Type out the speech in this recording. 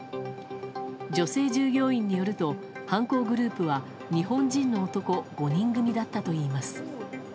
女性従業員によると犯行グループは日本人の男５人組だったといいます。